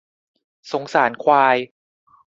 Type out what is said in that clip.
สงสารควาย